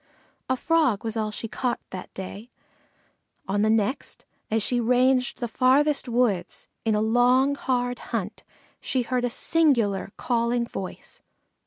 A Frog was all she caught that day. On the next, as she ranged the farthest woods in a long, hard hunt, she heard a singular calling voice.